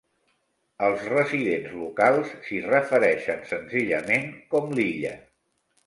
Els residents locals s'hi refereixen senzillament com l'Illa.